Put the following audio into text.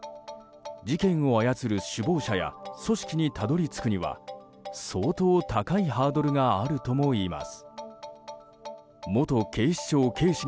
事件を操る首謀者や組織にたどり着くには相当、高いハードルがあるとも言います。